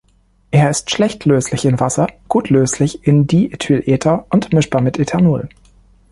Er ist schlecht löslich in Wasser, gut löslich in Diethylether und mischbar mit Ethanol.